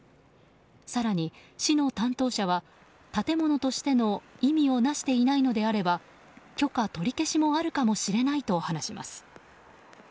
更に、市の担当者は建物としての意味をなしていないのであれば許可取り消しもあるかもしれないと話します。